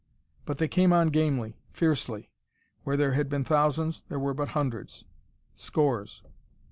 But they came on gamely, fiercely. Where there had been thousands, there were but hundreds ... scores